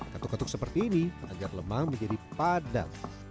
ketuk ketuk seperti ini agar lemang menjadi padat